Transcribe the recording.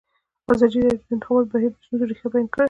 ازادي راډیو د د انتخاباتو بهیر د ستونزو رېښه بیان کړې.